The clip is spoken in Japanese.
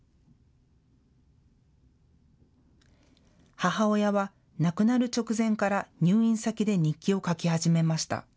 母親は亡くなる直前から入院先で日記を書き始めました。